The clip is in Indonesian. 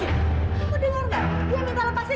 dia minta lepasin